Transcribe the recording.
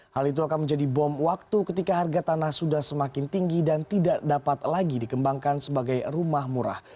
hal itu akan menjadi bom waktu ketika harga tanah sudah semakin tinggi dan tidak dapat lagi dikembangkan sebagai rumah murah